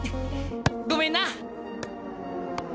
ごめんな！